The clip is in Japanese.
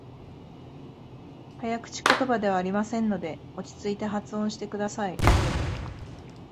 早口言葉ではありませんので、落ち着いて発音してください。